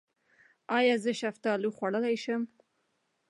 ایا زه شفتالو خوړلی شم؟